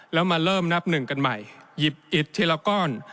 แล้วมาเริ่มนับหนึ่งกันใหม่หยิบอิดทีละก้อน